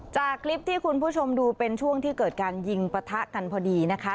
จากคลิปที่คุณผู้ชมดูเป็นช่วงที่เกิดการยิงปะทะกันพอดีนะคะ